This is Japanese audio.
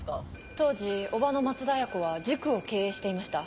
当時叔母の松田綾子は塾を経営していました。